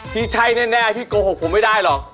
พี่ใช่แน่พี่โกหกผมไม่ได้หรอก